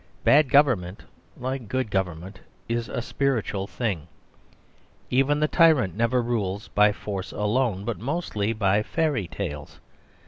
Bad government, like good government, is a spiritual thing. Even the tyrant never rules by force alone; but mostly by fairy tales.